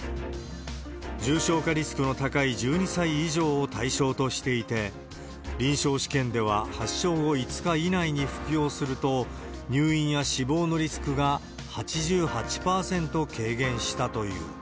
重症化リスクの高い１２歳以上を対象としていて、臨床試験では発症後５日以内に服用すると、入院や死亡のリスクが８８％軽減したという。